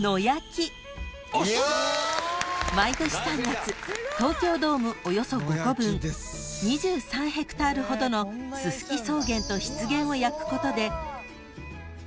［毎年３月東京ドームおよそ５個分２３ｈａほどのすすき草原と湿原を］